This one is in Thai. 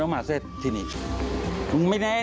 ก็มาสิครับผมมาเลย